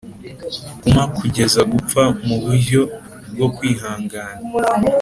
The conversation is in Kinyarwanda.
kuma kugeza gupfa muburyo bwo kwihangana